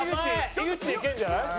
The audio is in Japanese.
井口いけるんじゃない？